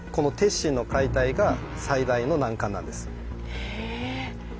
へえ。